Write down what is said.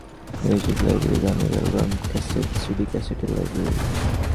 Music library, গানের album, cassette, CD ক্যাসেটের library.